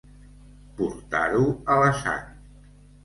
Portar-ho a la sang.